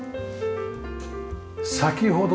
先ほどと。